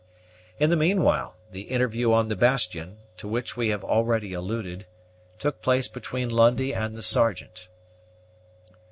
In the meanwhile the interview on the bastion, to which we have already alluded, took place between Lundie and the Sergeant.